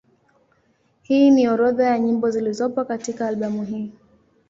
Hii ni orodha ya nyimbo zilizopo katika albamu hii.